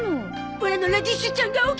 オラのラディッシュちゃんが起きた！